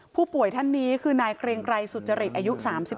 ผู้ป่วยท่านนี้คือนายเกรงไกรสุจริตอายุ๓๑